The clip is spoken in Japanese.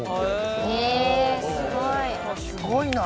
すごいな。